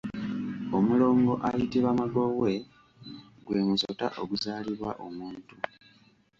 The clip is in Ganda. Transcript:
Omulongo ayitibwa Magobwe gw’emusota oguzaalibwa omuntu.